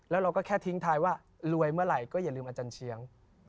แล้วเราก็แค่ทิ้งท้ายว่ารวยเมื่อไหร่ก็อย่าลืมอาจารย์เชียง